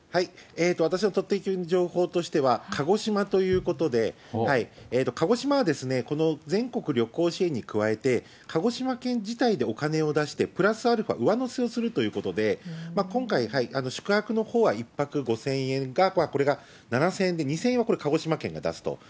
私の取って置きの情報としては、鹿児島ということで、鹿児島はこの全国旅行支援に加えて、鹿児島県自体でお金を出して、プラスアルファ上乗せをするということで、今回、宿泊のほうは１泊５０００円が、これが７０００円で、２０００円はこれ、鹿児島県が出すと。